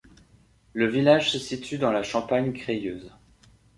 Le village se situe dans la Champagne crayeuse.